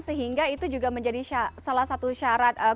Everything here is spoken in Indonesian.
sehingga itu juga menjadi salah satu syarat